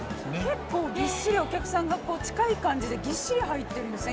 結構ぎっしりお客さんがこう近い感じでぎっしり入ってるんですね